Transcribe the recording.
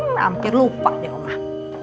hampir lupa deh omah